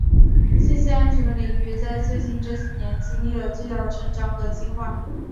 信息安全的领域在最近这些年经历了巨大的成长和进化。